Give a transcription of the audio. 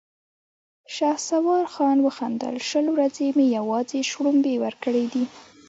شهسوار خان وخندل: شل ورځې مې يواځې شړومبې ورکړې دي!